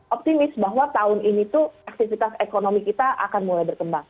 optimis bahwa tahun ini tuh aktivitas ekonomi kita akan mulai berkembang